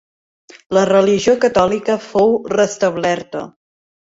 La religió catòlica fou restablerta.